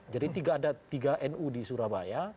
jadi ada tiga nu di surabaya